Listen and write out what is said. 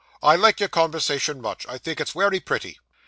'I like your conversation much. I think it's wery pretty.